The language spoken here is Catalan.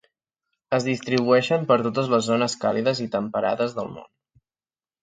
Es distribueixen per totes les zones càlides i temperades del món.